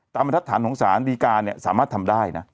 ตามอันทับฐานของสารดีการสามารถทำได้